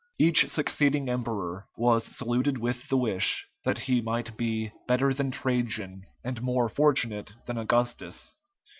Each succeeding emperor was saluted with the wish that he might be "better than Trajan and more fortunate than Augustus."